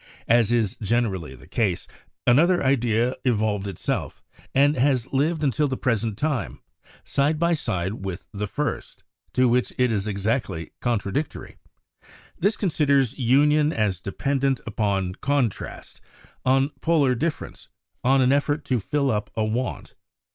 As is generally the case, another idea evolved itself, and has lived until the present time, side by side with the first, to which it is exactly contradictory; this considers union as dependent upon contrast, on polar dif ference, on an effort to fill up a want.